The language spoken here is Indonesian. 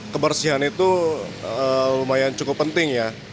kebersihan itu lumayan cukup penting ya